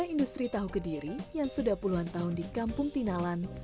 industri tahu kediri yang sudah puluhan tahun di kampung tinalan